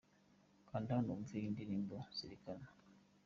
Kanda hano wumve iyi ndirimbo 'Zirikana' .